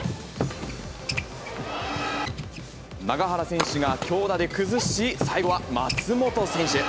永原選手が強打で崩し、最後は松本選手。